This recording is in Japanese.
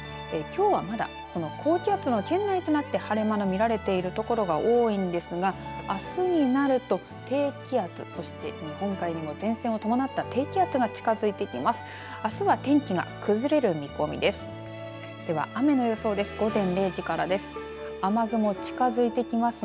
きょうは、まだこの高気圧の圏内となって晴れ間の見えている所が多いんですがあすになると低気圧、そして日本海にも前線を伴った低気圧が近づいてきます。